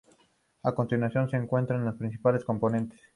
A continuación se encuentran los principales componentes.